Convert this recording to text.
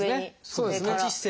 そうですか？